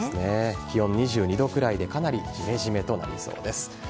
気温、２２度ぐらいでかなりじめじめとなりそうです。